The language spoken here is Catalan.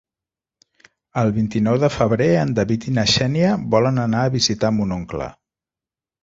El vint-i-nou de febrer en David i na Xènia volen anar a visitar mon oncle.